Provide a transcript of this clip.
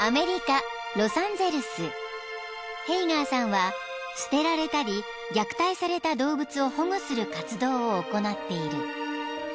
［ヘイガーさんは捨てられたり虐待された動物を保護する活動を行っている］